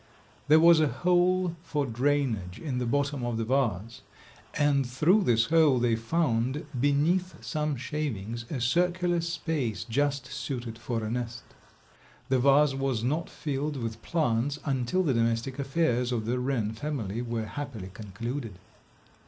There was a hole for drainage in the bottom of the vase, and through this hole they found, beneath some shavings, a circular space just suited for a nest. The vase was not filled with plants until the domestic affairs of the wren family were happily concluded.